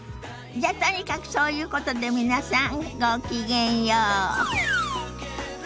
じゃとにかくそういうことで皆さんごきげんよう。